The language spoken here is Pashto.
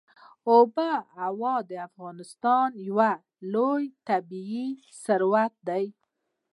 آب وهوا د افغانستان یو لوی طبعي ثروت دی.